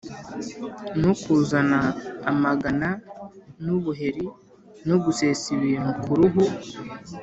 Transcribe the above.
no kuzana amagara n’ubuheri no gusesa ibintu ku ruhu,